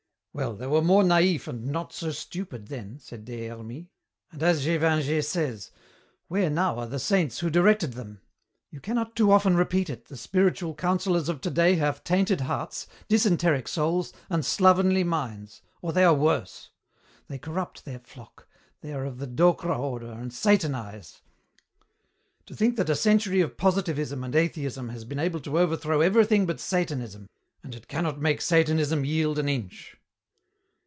"Well, they were more naïf and not so stupid then," said Des Hermies. "And as Gévingey says, where now are the saints who directed them? You cannot too often repeat it, the spiritual councillors of today have tainted hearts, dysenteric souls, and slovenly minds. Or they are worse. They corrupt their flock. They are of the Docre order and Satanize." "To think that a century of positivism and atheism has been able to overthrow everything but Satanism, and it cannot make Satanism yield an inch."